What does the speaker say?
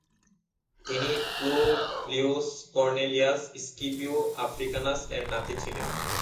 তিনি Publius Cornelius Scipio Africanus এর নাতী ছিলেন।